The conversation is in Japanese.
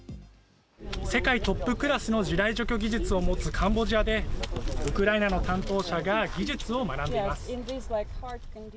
世界トップクラスの地雷除去技術を持つカンボジアでウクライナの担当者が技術を学んでいます。